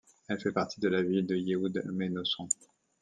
Elle fait partie de la ville de Yehud-Monosson.